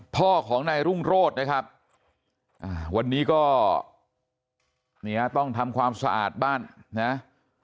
พ่อของนายรุ่งโรธนะครับวันนี้ก็เนี่ยต้องทำความสะอาดบ้านนะ